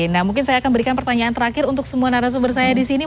nah mungkin saya akan berikan pertanyaan terakhir untuk semua narasumber saya di sini